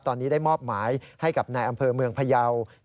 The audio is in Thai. ตอนนี้ได้มอบหมายให้กับนายอำเภอเมืองพยาว